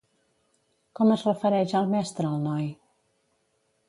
Com es refereix al mestre el noi?